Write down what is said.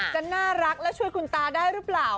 จะน่ารักและช่วยคุณตาได้หรือเปล่า